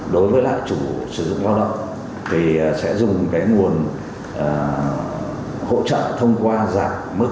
đối với lại chủ sử dụng lao động thì sẽ dùng cái nguồn hỗ trợ thông qua giảm mức